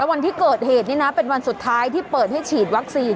วันที่เกิดเหตุนี่นะเป็นวันสุดท้ายที่เปิดให้ฉีดวัคซีน